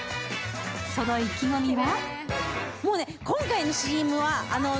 その意気込みは？